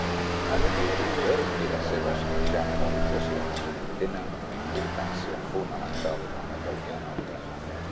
L'últim fet i les seves generalitzacions tenen una importància fonamental en la teoria de nombres.